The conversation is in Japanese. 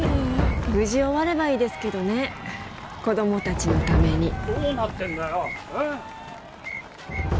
無事終わればいいですけどね子供達のためにどうなってんだよええ？